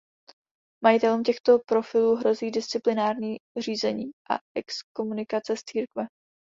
Majitelům těchto profilů hrozí disciplinární řízení a exkomunikace z církve.